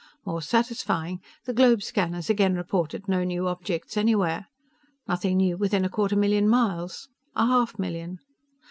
More satisfying, the globe scanners again reported no new objects anywhere. Nothing new within a quarter million miles. A half million.